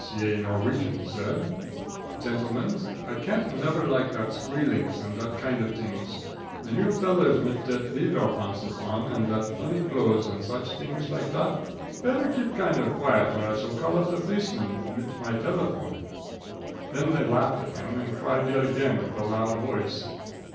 C.A. Norwegian said: "Gentlemans, I kain't neffer like dot squealinks and dot kaind of a tings, and you fellers mit dot ledder pantses on and dot funny glose and such a tings like dot, better keep kaind of quiet, or I shall call up the policemen mit my delephone." Then they laughed at him, and cried yet again with a loud voice.